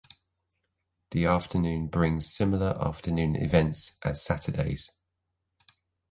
The afternoon brings similar afternoon events as Saturday's.